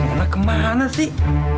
ini anak kemana sih